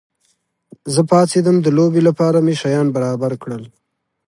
زه پاڅېدم، د لوبې لپاره مې شیان برابر کړل.